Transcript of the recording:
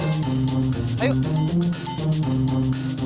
ssss jangan keras keras ngomongnya